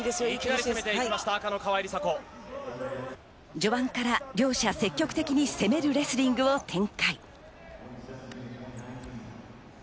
序盤から両者、積極的に攻めるレスリングを展開。